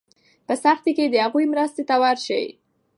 په سختۍ کې د هغوی مرستې ته ورشئ.